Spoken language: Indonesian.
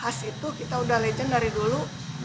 khas itu kita udah legend dari dulu